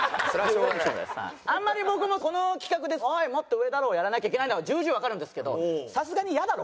あんまり僕もこの企画で「おいもっと上だろ！」をやらなきゃいけないのは重々わかるんですけどさすがにイヤだろ？